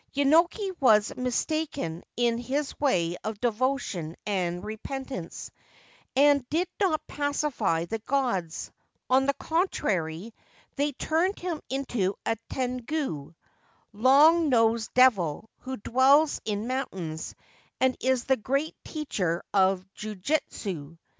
Yenoki was mistaken in his way of devotion and repentance, and did not pacify the gods ; on the contrary, they turned him into a tengu (long nosed devil who dwells in mountains, and is the great teacher of jujitsu).